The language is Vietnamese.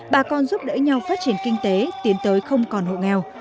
bà con giúp đỡ nhau phát triển kinh tế tiến tới không còn hộ nghèo